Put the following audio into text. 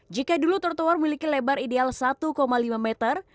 jika dulu trotoar memiliki lebar ideal satu lima meter